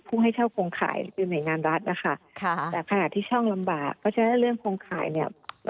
ให้เช่าโครงข่ายคือหน่วยงานรัฐนะคะแต่ขณะที่ช่องลำบากก็จะได้เรื่องโครงข่ายเนี่ย